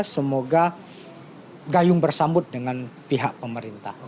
semoga gayung bersambut dengan pihak pemerintah